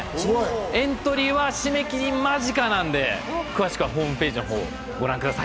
エントリーは締め切り間近なんで、詳しくはホームページをご覧ください。